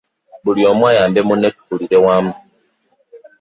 Buli omu ayambe munne tukulire wamu.